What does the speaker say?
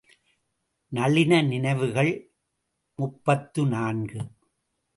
நளின நினைவுகள் முப்பத்து நான்கு.